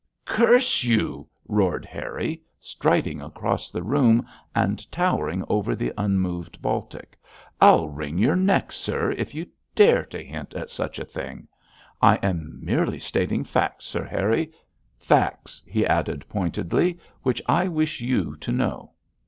'Curse you!' roared Harry, striding across the room, and towering over the unmoved Baltic, 'I'll wring your neck, sir, if you dare to hint at such a thing.' 'I am merely stating facts, Sir Harry facts,' he added pointedly, 'which I wish you to know.'